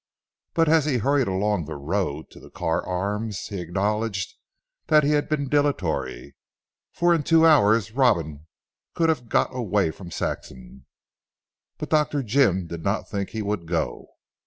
But as he hurried along the road to the Carr Arms he acknowledged that he had been dilatory, for in two hours Robin could have got away from Saxham. But Dr. Jim did not think he would go.